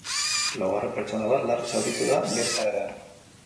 Laugarren pertsona bat larri zauritu da gertaeran.